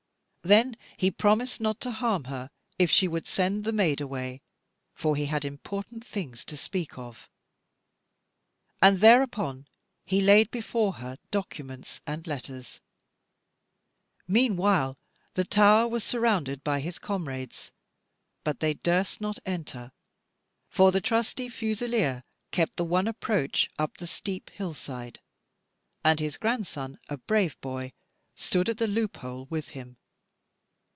Then he promised not to harm her, if she would send the maid away, for he had important things to speak of. And thereupon he laid before her documents and letters. Meanwhile the tower was surrounded by his comrades; but they durst not enter, for the trusty fusileer kept the one approach up the steep hillside; and his grandson, a brave boy, stood at the loop hole with him.